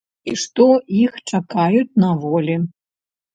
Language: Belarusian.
І што іх чакаюць на волі.